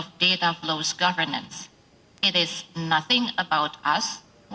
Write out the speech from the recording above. terutama dalam pengimplementasinya pemerintahan data flow